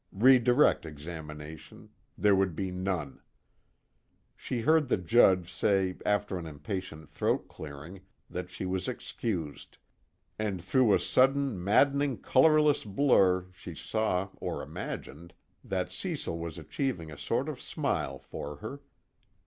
Redirect examination there would be none. She heard the Judge say after an impatient throat clearing that she was excused, and through a sudden maddening colorless blur she saw or imagined that Cecil was achieving a sort of smile for her.